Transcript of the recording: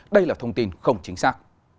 đây là thông tin không chính xác